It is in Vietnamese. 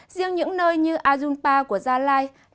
riêng những nơi như ajunpa của gia lai